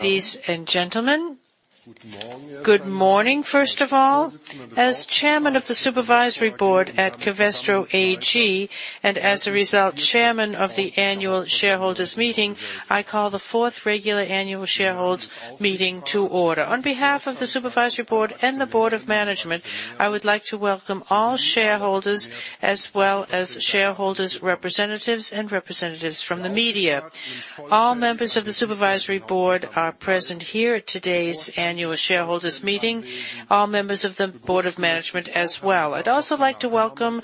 Ladies and gentlemen. Good morning, first of all. As Chairman of the Supervisory Board at Covestro AG, and as a result, Chairman of the Annual Shareholders Meeting, I call the Fourth Regular Annual Shareholders Meeting to order. On behalf of the Supervisory Board and the Board of Management, I would like to welcome all shareholders, as well as shareholders' representatives and representatives from the media. All members of the Supervisory Board are present here at today's Annual Shareholders Meeting, all members of the Board of Management as well. I'd also like to welcome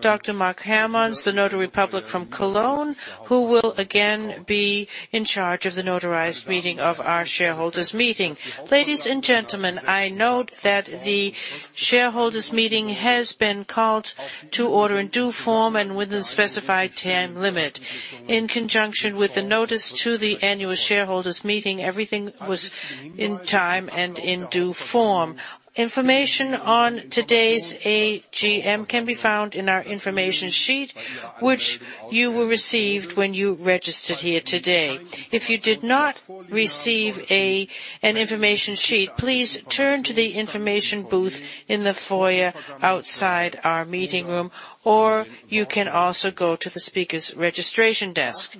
Dr. Marc Hermann, the Notary Public from Cologne, who will again be in charge of the notarized meeting of our shareholders' meeting. Ladies and gentlemen, I note that the shareholders' meeting has been called to order in due form and within the specified time limit. In conjunction with the notice to the Annual General Meeting, everything was in time and in due form. Information on today's AGM can be found in our information sheet, which you will receive when you registered here today. If you did not receive an information sheet, please turn to the information booth in the foyer outside our meeting room, or you can also go to the speaker's registration desk.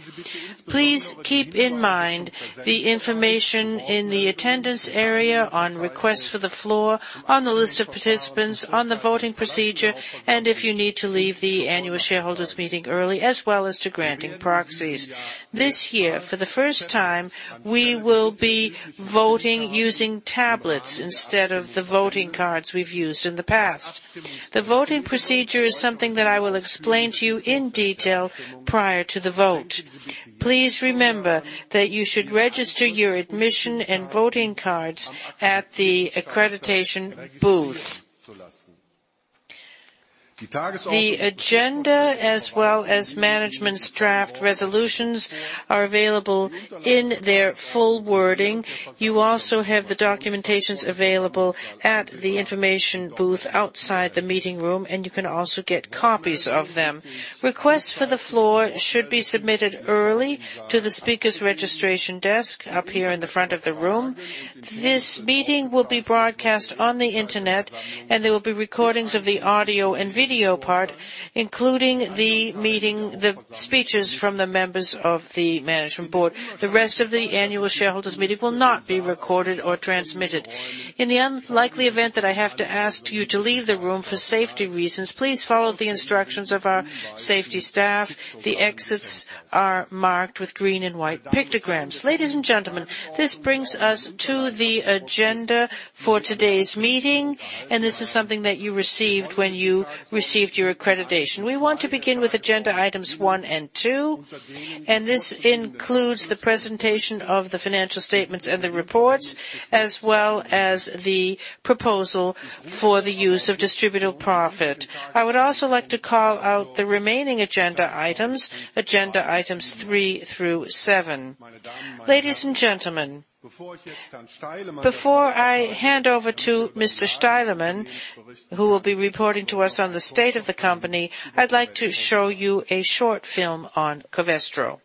Please keep in mind the information in the attendance area on request for the floor, on the list of participants, on the voting procedure, and if you need to leave the Annual General Meeting early, as well as to granting proxies. This year, for the first time, we will be voting using tablets instead of the voting cards we've used in the past. The voting procedure is something that I will explain to you in detail prior to the vote. Please remember that you should register your admission and voting cards at the accreditation booth. The agenda, as well as management's draft resolutions, are available in their full wording. You also have the documentation available at the information booth outside the meeting room, and you can also get copies of them. Requests for the floor should be submitted early to the speaker's registration desk up here in the front of the room. This meeting will be broadcast on the internet, and there will be recordings of the audio and video part, including the speeches from the members of the management board. The rest of the Annual General Meeting will not be recorded or transmitted. In the unlikely event that I have to ask you to leave the room for safety reasons, please follow the instructions of our safety staff. The exits are marked with green and white pictograms. Ladies and gentlemen, this brings us to the agenda for today's meeting, and this is something that you received when you received your accreditation. We want to begin with agenda items one and two, and this includes the presentation of the financial statements and the reports, as well as the proposal for the use of distributable profit. I would also like to call out the remaining agenda items, agenda items three through seven. Ladies and gentlemen, before I hand over to Mr. Steilemann, who will be reporting to us on the state of the company, I'd like to show you a short film on Covestro.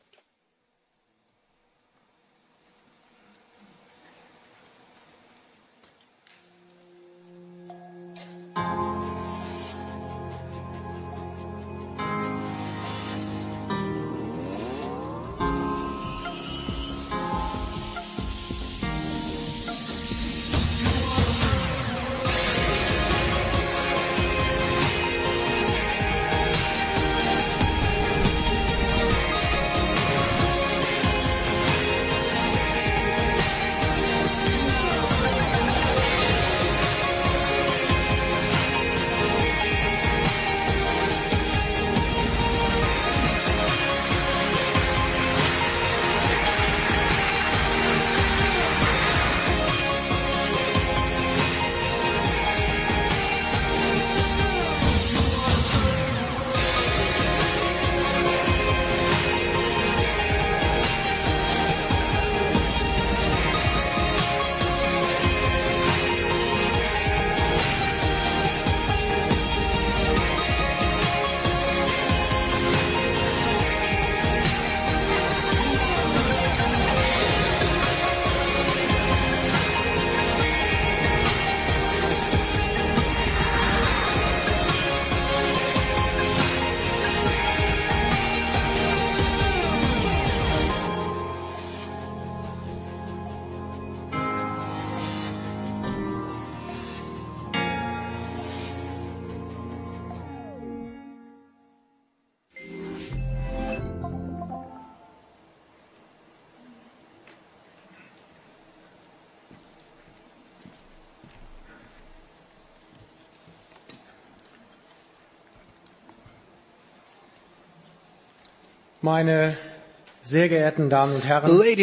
Ladies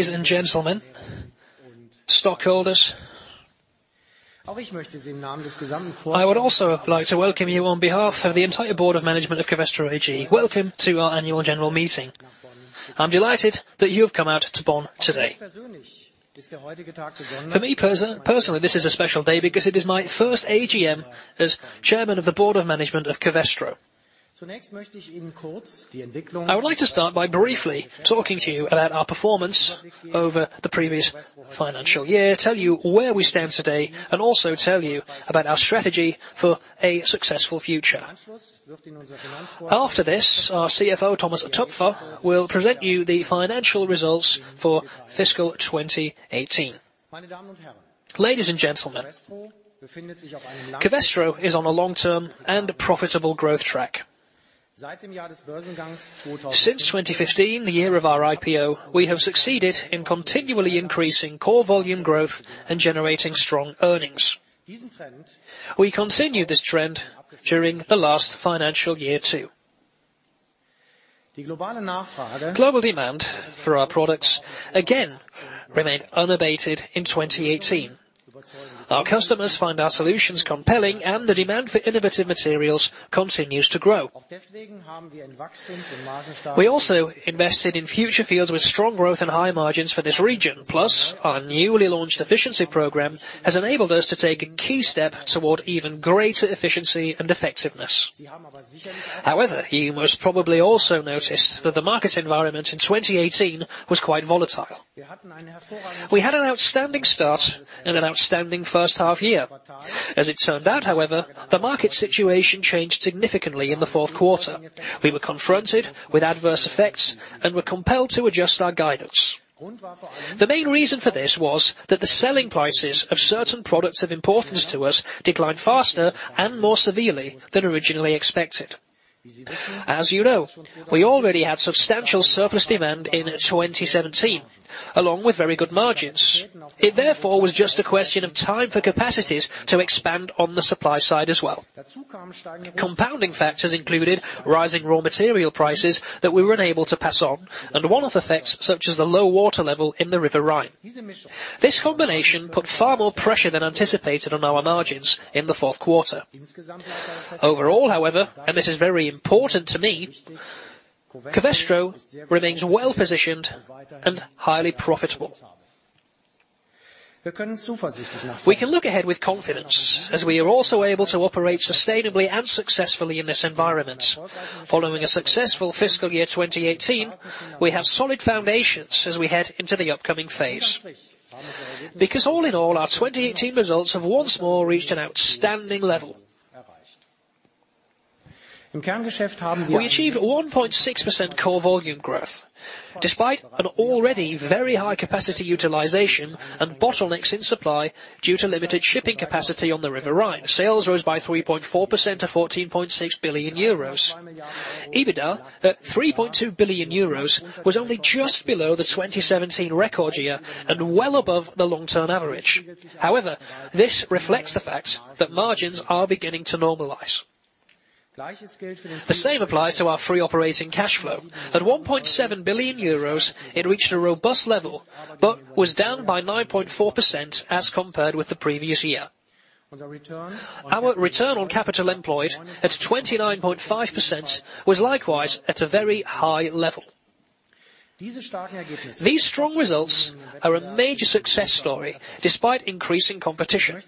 and gentlemen, stockholders, I would also like to welcome you on behalf of the entire Board of Management of Covestro AG. Welcome to our Annual General Meeting. I'm delighted that you have come out to Bonn today. For me personally, this is a special day because it is my first AGM as Chairman of the Board of Management of Covestro. I would like to start by briefly talking to you about our performance over the previous financial year, tell you where we stand today, and also tell you about our strategy for a successful future. After this, our CFO, Thomas Toepfer, will present you the financial results for fiscal 2018. Ladies and gentlemen, Covestro is on a long-term and profitable growth track. Since 2015, the year of our IPO, we have succeeded in continually increasing core volume growth and generating strong earnings. We continue this trend during the last financial year too. Global demand for our products again remained unabated in 2018. Our customers find our solutions compelling, and the demand for innovative materials continues to grow. We also invested in future fields with strong growth and high margins for this region. Plus, our newly launched efficiency program has enabled us to take a key step toward even greater efficiency and effectiveness. However, you most probably also noticed that the market environment in 2018 was quite volatile. We had an outstanding start and an outstanding first half year. As it turned out, however, the market situation changed significantly in the fourth quarter. We were confronted with adverse effects and were compelled to adjust our guidance. The main reason for this was that the selling prices of certain products of importance to us declined faster and more severely than originally expected. As you know, we already had substantial surplus demand in 2017, along with very good margins. It, therefore, was just a question of time for capacities to expand on the supply side as well. Compounding factors included rising raw material prices that we were unable to pass on, and one of the effects such as the low water level in the Rhine River. This combination put far more pressure than anticipated on our margins in the fourth quarter. Overall, however, and this is very important to me, Covestro remains well positioned and highly profitable. We can look ahead with confidence as we are also able to operate sustainably and successfully in this environment. Following a successful fiscal year 2018, we have solid foundations as we head into the upcoming phase. Because all in all, our 2018 results have once more reached an outstanding level. We achieved 1.6% core volume growth despite an already very high capacity utilization and bottlenecks in supply due to limited shipping capacity on the River Rhine. Sales rose by 3.4% to 14.6 billion euros. EBITDA at 3.2 billion euros was only just below the 2017 record year and well above the long-term average. However, this reflects the fact that margins are beginning to normalize. The same applies to our free operating cash flow. At 1.7 billion euros, it reached a robust level but was down by 9.4% as compared with the previous year. Our return on capital employed at 29.5% was likewise at a very high level. These strong results are a major success story despite increasing competition.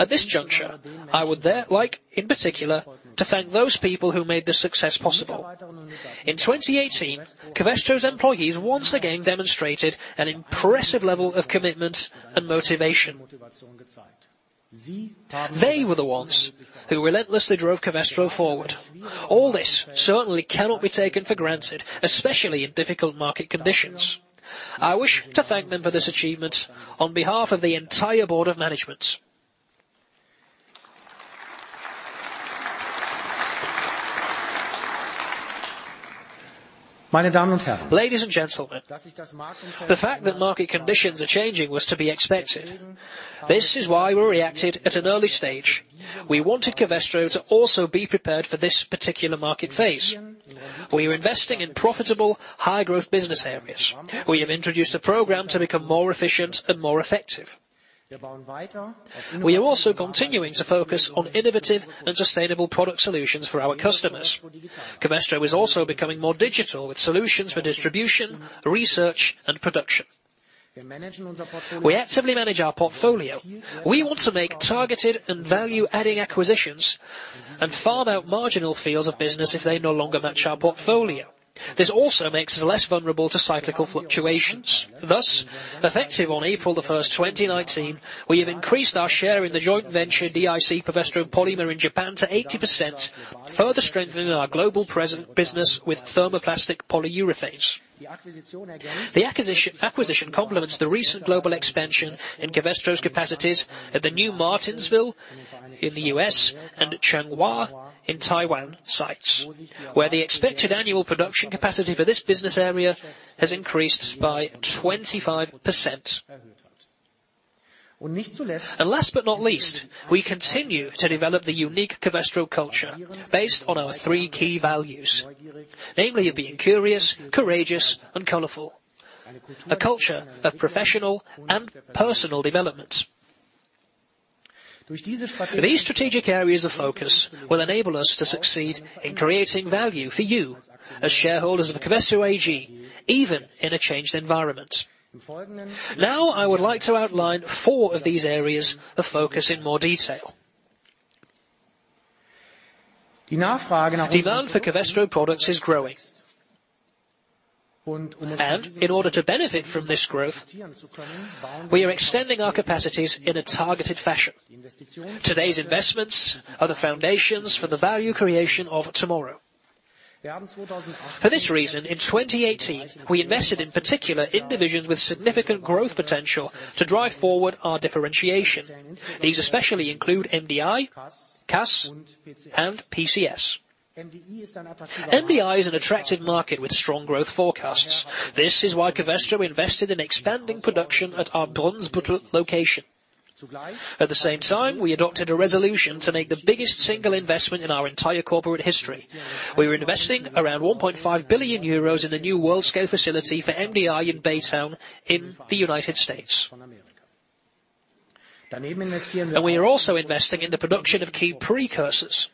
At this juncture, I would therefore like, in particular, to thank those people who made this success possible. In 2018, Covestro's employees once again demonstrated an impressive level of commitment and motivation. They were the ones who relentlessly drove Covestro forward. All this certainly cannot be taken for granted, especially in difficult market conditions. I wish to thank them for this achievement on behalf of the entire Board of Management. Ladies and gentlemen, the fact that market conditions are changing was to be expected. This is why we reacted at an early stage. We wanted Covestro to also be prepared for this particular market phase. We are investing in profitable, high-growth business areas. We have introduced a program to become more efficient and more effective. We are also continuing to focus on innovative and sustainable product solutions for our customers. Covestro is also becoming more digital with solutions for distribution, research, and production. We actively manage our portfolio. We want to make targeted and value-adding acquisitions and farm out marginal fields of business if they no longer match our portfolio. This also makes us less vulnerable to cyclical fluctuations. Thus, effective on April the 1st, 2019, we have increased our share in the joint venture DIC Covestro Polymer in Japan to 80%, further strengthening our global present business with thermoplastic polyurethanes. The acquisition complements the recent global expansion in Covestro's capacities at the New Martinsville in the U.S. and Changhua in Taiwan sites, where the expected annual production capacity for this business area has increased by 25%. And last but not least, we continue to develop the unique Covestro culture based on our three key values, namely of being curious, courageous, and colorful, a culture of professional and personal development. These strategic areas of focus will enable us to succeed in creating value for you as shareholders of Covestro AG, even in a changed environment. Now, I would like to outline four of these areas of focus in more detail. The demand for Covestro products is growing, and in order to benefit from this growth, we are extending our capacities in a targeted fashion. Today's investments are the foundations for the value creation of tomorrow. For this reason, in 2018, we invested in particular in divisions with significant growth potential to drive forward our differentiation. These especially include MDI, CAS, and PCS. MDI is an attractive market with strong growth forecasts. This is why Covestro invested in expanding production at our Brunsbüttel location. At the same time, we adopted a resolution to make the biggest single investment in our entire corporate history. We are investing around 1.5 billion euros in a new world-scale facility for MDI in Baytown in the United States, and we are also investing in the production of key precursors.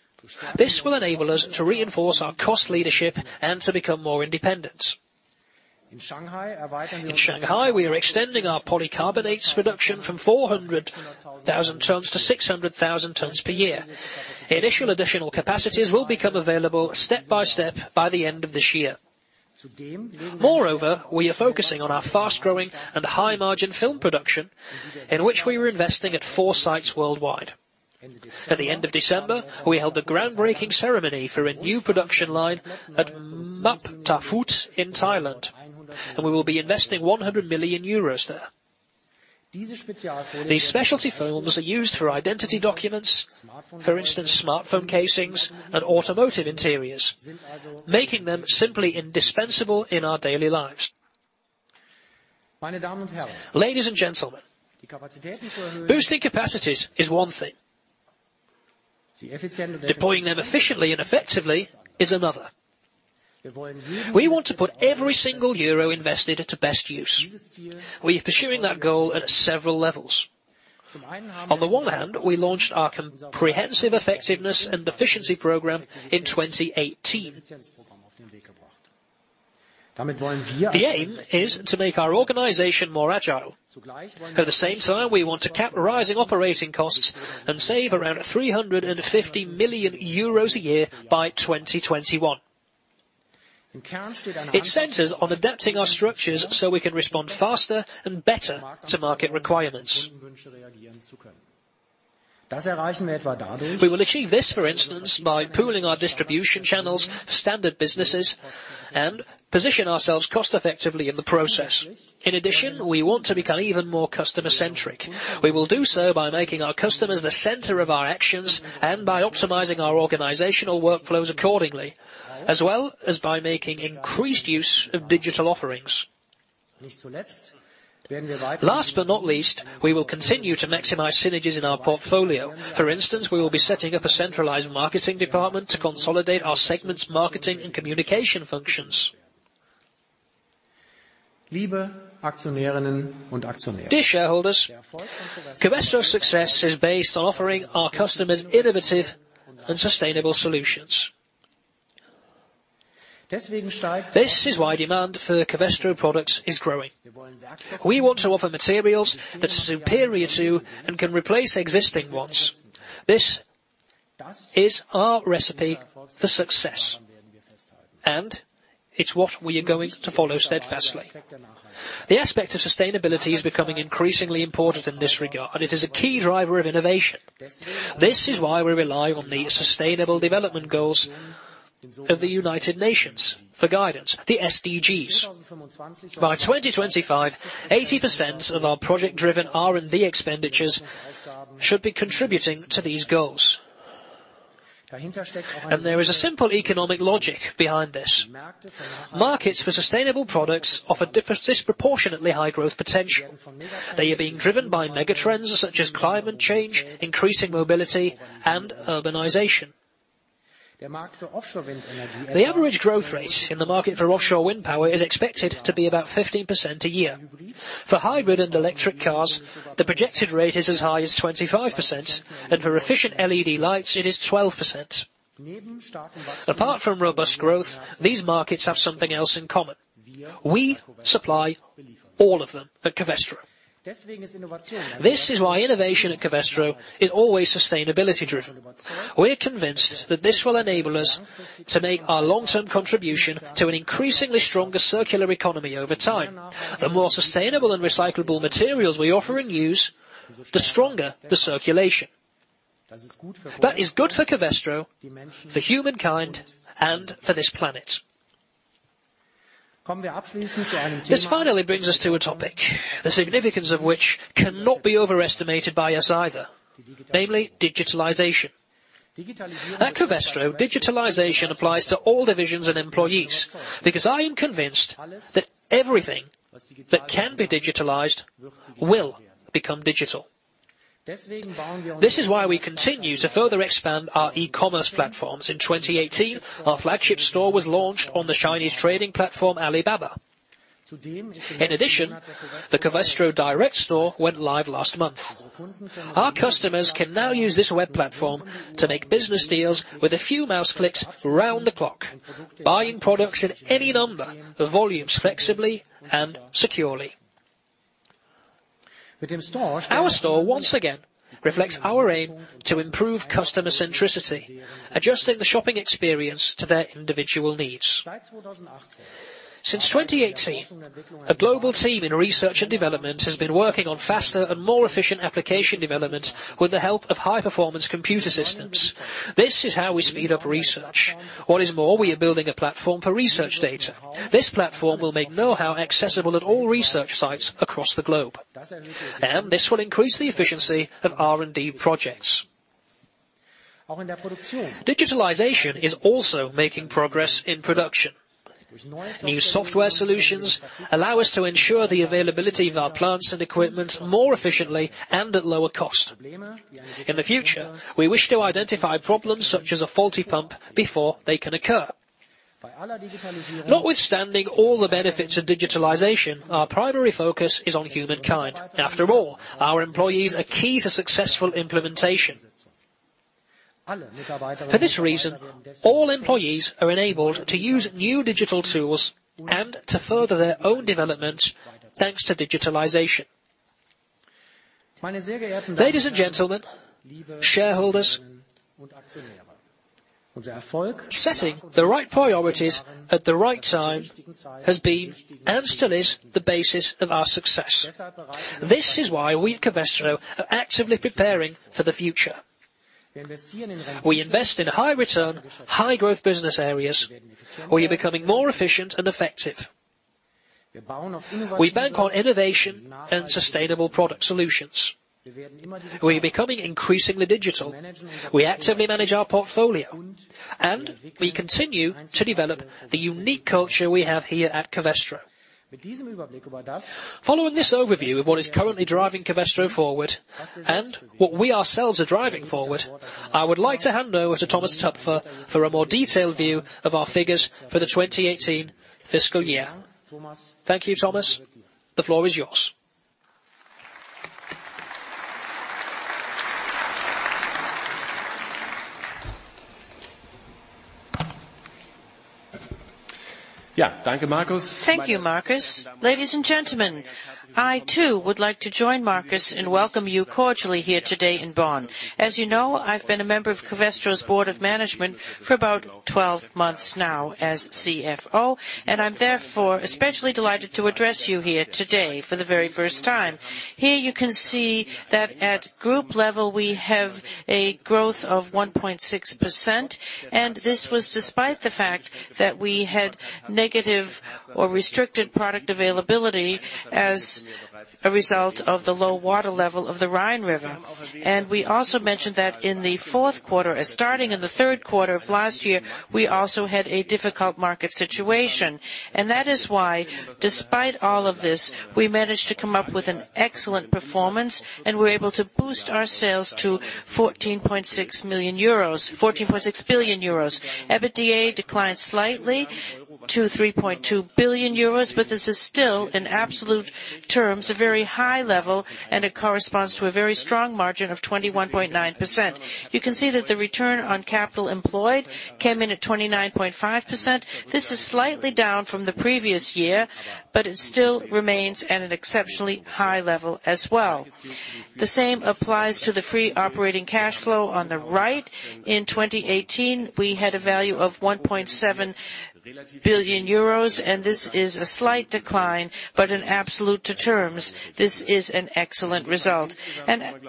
This will enable us to reinforce our cost leadership and to become more independent. In Shanghai, we are extending our polycarbonate production from 400,000 tons to 600,000 tons per year. Initial additional capacities will become available step by step by the end of this year. Moreover, we are focusing on our fast-growing and high-margin film production, in which we are investing at four sites worldwide. At the end of December, we held a groundbreaking ceremony for a new production line at Map Ta Phut in Thailand, and we will be investing 100 million euros there. These specialty films are used for identity documents, for instance, smartphone casings and automotive interiors, making them simply indispensable in our daily lives. Ladies and gentlemen, boosting capacities is one thing. Deploying them efficiently and effectively is another. We want to put every single euro invested to best use. We are pursuing that goal at several levels. On the one hand, we launched our comprehensive effectiveness and efficiency program in 2018. The aim is to make our organization more agile. At the same time, we want to cap rising operating costs and save around 350 million euros a year by 2021. It centers on adapting our structures so we can respond faster and better to market requirements. We will achieve this, for instance, by pooling our distribution channels, standard businesses, and position ourselves cost-effectively in the process. In addition, we want to become even more customer-centric. We will do so by making our customers the center of our actions and by optimizing our organizational workflows accordingly, as well as by making increased use of digital offerings. Last but not least, we will continue to maximize synergies in our portfolio. For instance, we will be setting up a centralized marketing department to consolidate our segment's marketing and communication functions. Dear shareholders, Covestro's success is based on offering our customers innovative and sustainable solutions. This is why demand for Covestro products is growing. We want to offer materials that are superior to and can replace existing ones. This is our recipe for success, and it's what we are going to follow steadfastly. The aspect of sustainability is becoming increasingly important in this regard, and it is a key driver of innovation. This is why we rely on the Sustainable Development Goals of the United Nations for guidance, the SDGs. By 2025, 80% of our project-driven R&D expenditures should be contributing to these goals, and there is a simple economic logic behind this. Markets for sustainable products offer disproportionately high growth potential. They are being driven by megatrends such as climate change, increasing mobility, and urbanization. The average growth rate in the market for offshore wind power is expected to be about 15% a year. For hybrid and electric cars, the projected rate is as high as 25%, and for efficient LED lights, it is 12%. Apart from robust growth, these markets have something else in common. We supply all of them at Covestro. This is why innovation at Covestro is always sustainability-driven. We are convinced that this will enable us to make our long-term contribution to an increasingly stronger circular economy over time. The more sustainable and recyclable materials we offer and use, the stronger the circulation. That is good for Covestro, for humankind, and for this planet. This finally brings us to a topic the significance of which cannot be overestimated by us either, namely digitalization. At Covestro, digitalization applies to all divisions and employees because I am convinced that everything that can be digitalized will become digital. This is why we continue to further expand our e-commerce platforms. In 2018, our flagship store was launched on the Chinese trading platform Alibaba. In addition, the Covestro Direct Store went live last month. Our customers can now use this web platform to make business deals with a few mouse clicks round the clock, buying products in any number of volumes flexibly and securely. Our store, once again, reflects our aim to improve customer centricity, adjusting the shopping experience to their individual needs. Since 2018, a global team in research and development has been working on faster and more efficient application development with the help of high-performance computer systems. This is how we speed up research. What is more, we are building a platform for research data. This platform will make know-how accessible at all research sites across the globe, and this will increase the efficiency of R&D projects. Digitalization is also making progress in production. New software solutions allow us to ensure the availability of our plants and equipment more efficiently and at lower cost. In the future, we wish to identify problems such as a faulty pump before they can occur. Notwithstanding all the benefits of digitalization, our primary focus is on humankind. After all, our employees are key to successful implementation. For this reason, all employees are enabled to use new digital tools and to further their own development thanks to digitalization. Ladies and gentlemen, shareholders, setting the right priorities at the right time has been and still is the basis of our success. This is why we at Covestro are actively preparing for the future. We invest in high-return, high-growth business areas where you're becoming more efficient and effective. We bank on innovation and sustainable product solutions. We are becoming increasingly digital. We actively manage our portfolio, and we continue to develop the unique culture we have here at Covestro. Following this overview of what is currently driving Covestro forward and what we ourselves are driving forward, I would like to hand over to Thomas Toepfer for a more detailed view of our figures for the 2018 fiscal year. Thank you, Thomas. The floor is yours. Markus. Thank you, Markus. Ladies and gentlemen, I, too, would like to join Markus and welcome you cordially here today in Bonn. As you know, I've been a member of Covestro's Board of Management for about 12 months now as CFO, and I'm therefore especially delighted to address you here today for the very first time. Here, you can see that at group level we have a growth of 1.6%, and this was despite the fact that we had negative or restricted product availability as a result of the low water level of the Rhine River. We also mentioned that in the fourth quarter, starting in the third quarter of last year, we also had a difficult market situation. That is why, despite all of this, we managed to come up with an excellent performance and were able to boost our sales to 14.6 million euros, 14.6 billion euros. EBITDA declined slightly to 3.2 billion euros, but this is still, in absolute terms, a very high level and it corresponds to a very strong margin of 21.9%. You can see that the return on capital employed came in at 29.5%. This is slightly down from the previous year, but it still remains at an exceptionally high level as well. The same applies to the free operating cash flow on the right. In 2018, we had a value of 1.7 billion euros, and this is a slight decline, but in absolute terms, this is an excellent result.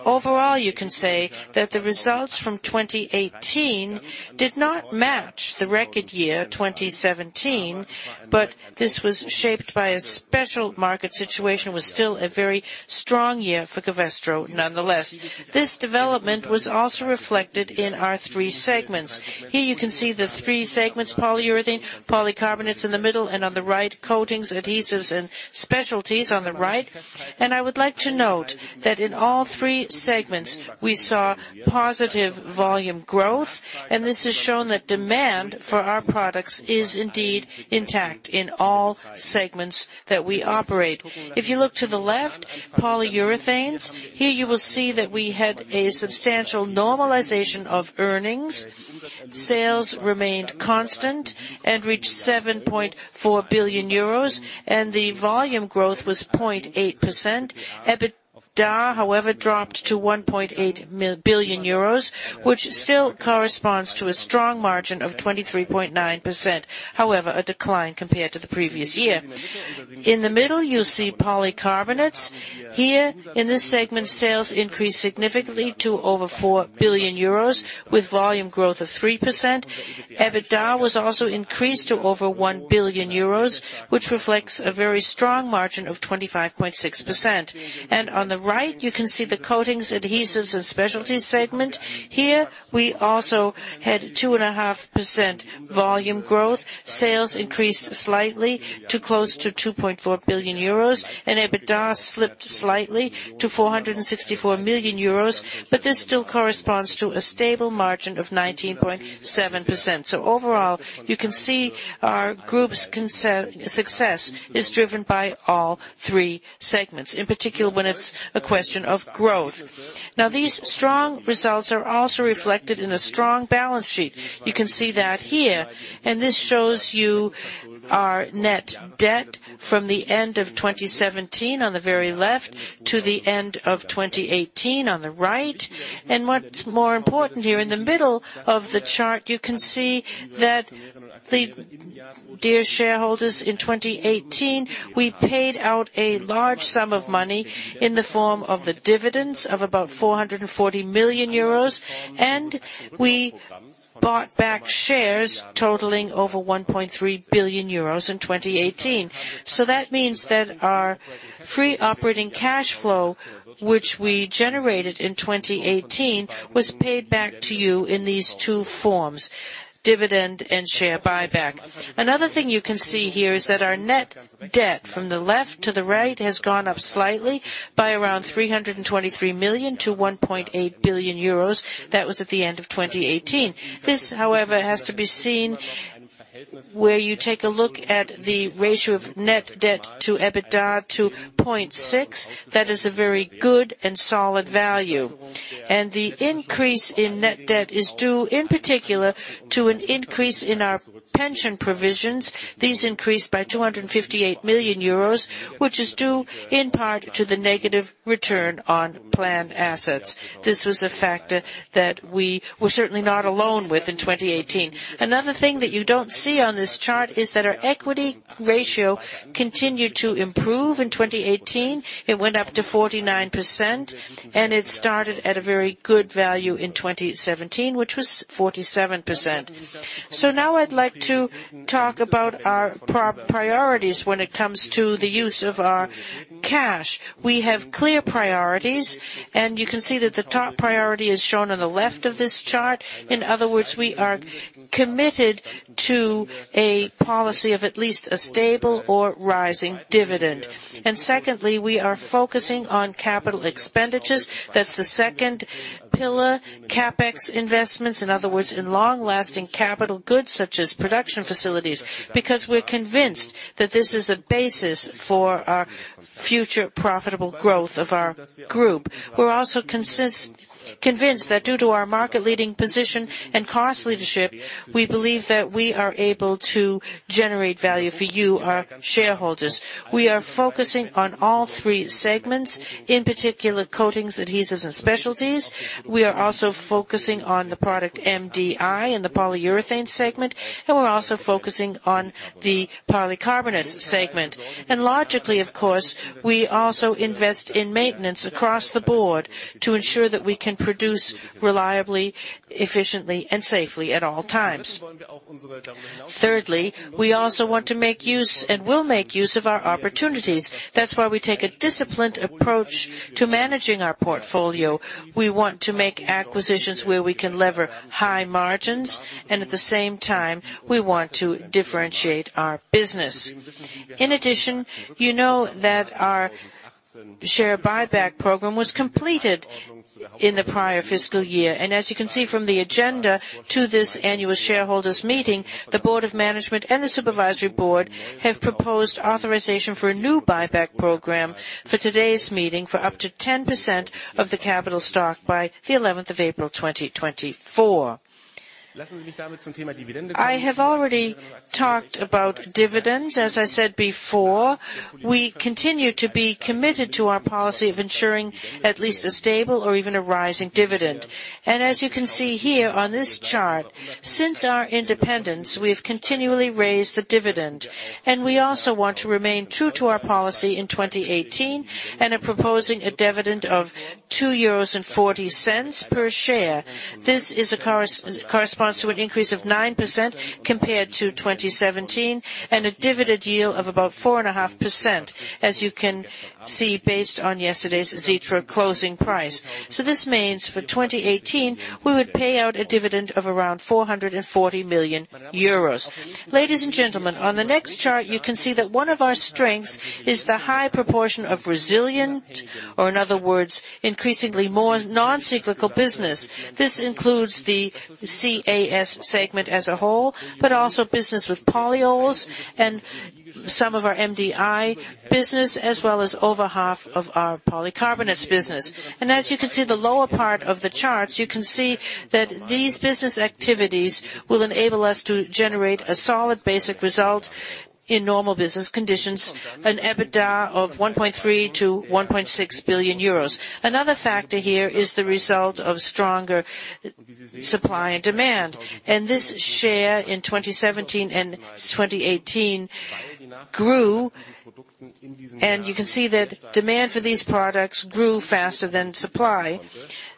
Overall, you can say that the results from 2018 did not match the record year 2017, but this was shaped by a special market situation. It was still a very strong year for Covestro nonetheless. This development was also reflected in our three segments. Here you can see the three segments: Polyurethanes, Polycarbonates in the middle, and on the right, Coatings, Adhesives, and Specialties on the right. I would like to note that in all three segments, we saw positive volume growth, and this has shown that demand for our products is indeed intact in all segments that we operate. If you look to the left, Polyurethanes, here you will see that we had a substantial normalization of earnings. Sales remained constant and reached 7.4 billion euros, and the volume growth was 0.8%. EBITDA, however, dropped to 1.8 billion euros, which still corresponds to a strong margin of 23.9%, however, a decline compared to the previous year. In the middle, you'll see polycarbonates. Here in this segment, sales increased significantly to over 4 billion euros with volume growth of 3%. EBITDA was also increased to over 1 billion euros, which reflects a very strong margin of 25.6%, and on the right, you can see the coatings, adhesives, and specialties segment. Here we also had 2.5% volume growth. Sales increased slightly to close to 2.4 billion euros, and EBITDA slipped slightly to 464 million euros, but this still corresponds to a stable margin of 19.7%, so overall, you can see our group's success is driven by all three segments, in particular when it's a question of growth. Now, these strong results are also reflected in a strong balance sheet. You can see that here, and this shows you our net debt from the end of 2017 on the very left to the end of 2018 on the right. And what's more important here, in the middle of the chart, you can see that, dear shareholders, in 2018, we paid out a large sum of money in the form of the dividends of about 440 million euros, and we bought back shares totaling over 1.3 billion euros in 2018. So that means that our free operating cash flow, which we generated in 2018, was paid back to you in these two forms: dividend and share buyback. Another thing you can see here is that our net debt from the left to the right has gone up slightly by around 323 million to 1.8 billion euros. That was at the end of 2018. This, however, has to be seen where you take a look at the ratio of net debt to EBITDA, to 0.6. That is a very good and solid value, and the increase in net debt is due, in particular, to an increase in our pension provisions. These increased by 258 million euros, which is due in part to the negative return on planned assets. This was a factor that we were certainly not alone with in 2018. Another thing that you don't see on this chart is that our equity ratio continued to improve in 2018. It went up to 49%, and it started at a very good value in 2017, which was 47%, so now I'd like to talk about our priorities when it comes to the use of our cash. We have clear priorities, and you can see that the top priority is shown on the left of this chart. In other words, we are committed to a policy of at least a stable or rising dividend. And secondly, we are focusing on capital expenditures. That's the second pillar: CapEx investments. In other words, in long-lasting capital goods such as production facilities, because we're convinced that this is a basis for our future profitable growth of our group. We're also convinced that due to our market-leading position and cost leadership, we believe that we are able to generate value for you, our shareholders. We are focusing on all three segments, in particular coatings, adhesives, and specialties. We are also focusing on the product MDI in the polyurethane segment, and we're also focusing on the polycarbonates segment. Logically, of course, we also invest in maintenance across the board to ensure that we can produce reliably, efficiently, and safely at all times. Thirdly, we also want to make use and will make use of our opportunities. That's why we take a disciplined approach to managing our portfolio. We want to make acquisitions where we can lever high margins, and at the same time, we want to differentiate our business. In addition, you know that our share buyback program was completed in the prior fiscal year. As you can see from the agenda to this annual shareholders' meeting, the Board of Management and the Supervisory Board have proposed authorization for a new buyback program for today's meeting for up to 10% of the capital stock by the 11th of April 2024. I have already talked about dividends. As I said before, we continue to be committed to our policy of ensuring at least a stable or even a rising dividend. And as you can see here on this chart, since our independence, we have continually raised the dividend. And we also want to remain true to our policy in 2018 and are proposing a dividend of 2.40 euros per share. This corresponds to an increase of 9% compared to 2017 and a dividend yield of about 4.5%, as you can see based on yesterday's Xetra closing price. So this means for 2018, we would pay out a dividend of around 440 million euros. Ladies and gentlemen, on the next chart, you can see that one of our strengths is the high proportion of resilient, or in other words, increasingly more non-cyclical business. This includes the CAS segment as a whole, but also business with polyols and some of our MDI business, as well as over half of our polycarbonates business. And as you can see the lower part of the chart, you can see that these business activities will enable us to generate a solid basic result in normal business conditions, an EBITDA of 1.3-1.6 billion euros. Another factor here is the result of stronger supply and demand. And this share in 2017 and 2018 grew, and you can see that demand for these products grew faster than supply.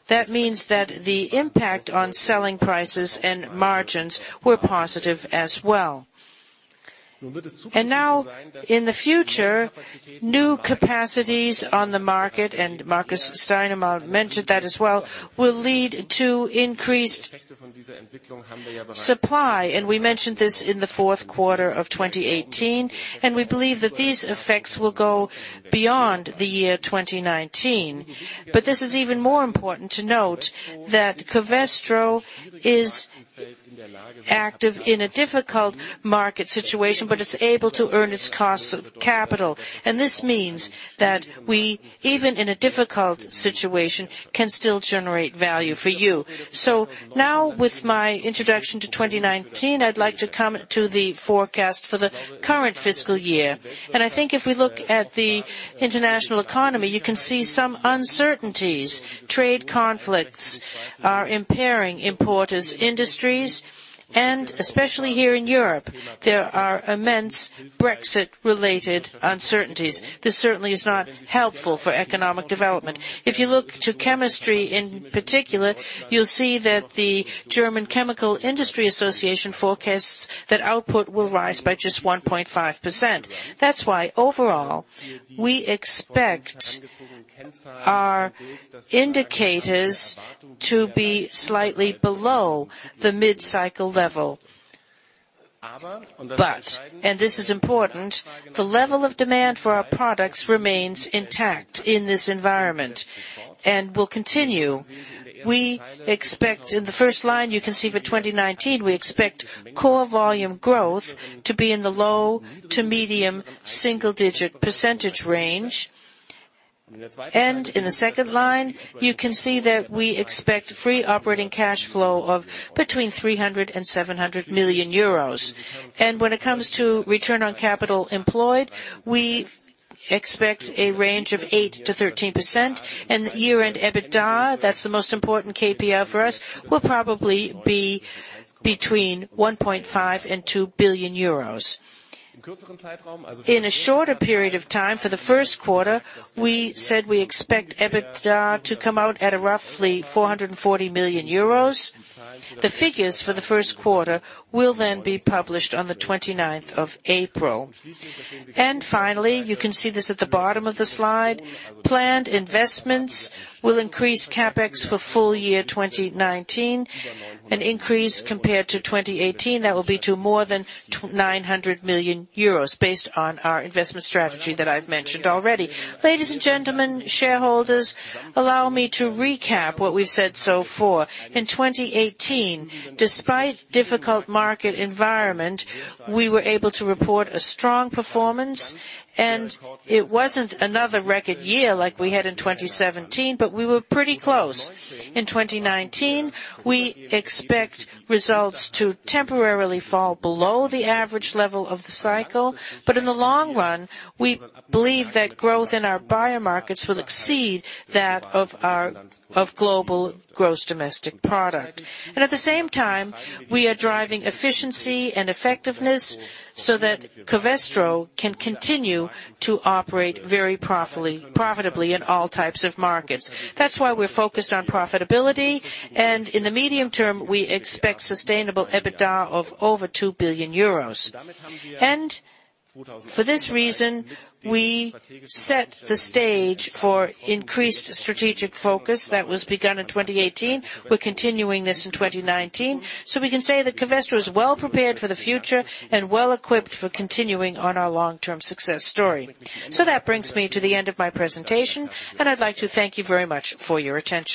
That means that the impact on selling prices and margins were positive as well. And now, in the future, new capacities on the market, and Markus Steilemann mentioned that as well, will lead to increased supply. And we mentioned this in the fourth quarter of 2018, and we believe that these effects will go beyond the year 2019. But this is even more important to note that Covestro is active in a difficult market situation, but it's able to earn its cost of capital. And this means that we, even in a difficult situation, can still generate value for you. So now, with my introduction to 2019, I'd like to come to the forecast for the current fiscal year. And I think if we look at the international economy, you can see some uncertainties. Trade conflicts are impairing imported industries, and especially here in Europe, there are immense Brexit-related uncertainties. This certainly is not helpful for economic development. If you look to chemistry in particular, you'll see that the German Chemical Industry Association forecasts that output will rise by just 1.5%. That's why overall we expect our indicators to be slightly below the mid-cycle level. But, and this is important, the level of demand for our products remains intact in this environment and will continue. We expect in the first line, you can see for 2019, we expect core volume growth to be in the low to medium single-digit % range. And in the second line, you can see that we expect free operating cash flow of between 300 million and 700 million euros. And when it comes to return on capital employed, we expect a range of 8%-13%. And year-end EBITDA, that's the most important KPI for us, will probably be between 1.5 billion and 2 billion euros. In a shorter period of time, for the first quarter, we said we expect EBITDA to come out at roughly 440 million euros. The figures for the first quarter will then be published on the 29th of April. And finally, you can see this at the bottom of the slide. Planned investments will increase CapEx for full year 2019, an increase compared to 2018 that will be to more than 900 million euros based on our investment strategy that I've mentioned already. Ladies and gentlemen, shareholders, allow me to recap what we've said so far. In 2018, despite a difficult market environment, we were able to report a strong performance, and it wasn't another record year like we had in 2017, but we were pretty close. In 2019, we expect results to temporarily fall below the average level of the cycle, but in the long run, we believe that growth in our buyer markets will exceed that of our global gross domestic product. And at the same time, we are driving efficiency and effectiveness so that Covestro can continue to operate very profitably in all types of markets. That's why we're focused on profitability, and in the medium term, we expect sustainable EBITDA of over 2 billion euros. And for this reason, we set the stage for increased strategic focus that was begun in 2018. We're continuing this in 2019. So we can say that Covestro is well prepared for the future and well equipped for continuing on our long-term success story. So that brings me to the end of my presentation, and I'd like to thank you very much for your attention.